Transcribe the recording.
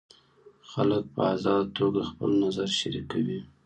خلک په ازاده توګه خپل نظر شریکوي.